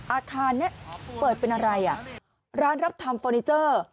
อาคารนี้เปิดเป็นอะไรอ่ะร้านรับทำเฟอร์นิเจอร์